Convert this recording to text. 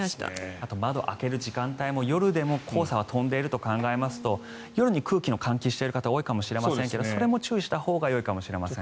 あと窓を開ける時間帯も夜でも黄砂は飛んでいると考えますと夜に空気の換気をしている方が多いかもしれませんがそれも注意したほうがよいかもしれません。